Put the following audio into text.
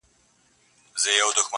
د زرو قدر زرگر لري.